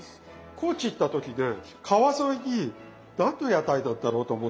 高知行った時ね川沿いに何の屋台なんだろうと思ってたんですよ。